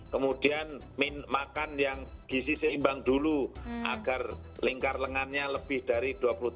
kemudian makan yang gizi seimbang dulu agar lingkar lengannya lebih dari dua puluh tiga